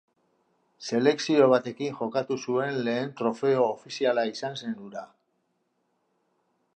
Selekzio batekin jokatu zuen lehen trofeo ofiziala izan zen hura.